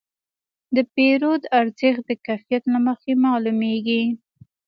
د پیرود ارزښت د کیفیت له مخې معلومېږي.